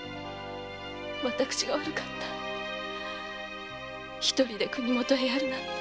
私が悪かった独りで国もとへやるなんて。